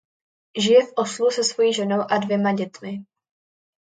Žije v Oslu se svojí ženou a dvěma dětmi.